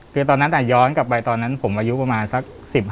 คือตอนนั้นย้อนกลับไปตอนนั้นผมอายุประมาณสัก๑๕